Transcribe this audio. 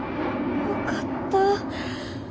よかった。